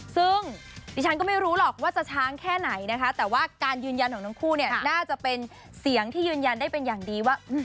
ซึ่งดิฉันก็ไม่รู้หรอกว่าจะช้างแค่ไหนนะคะแต่ว่าการยืนยันของทั้งคู่เนี่ยน่าจะเป็นเสียงที่ยืนยันได้เป็นอย่างดีว่า